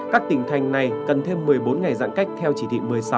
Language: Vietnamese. các tỉnh thành này cần thêm một mươi bốn ngày giãn cách theo chỉ thị một mươi sáu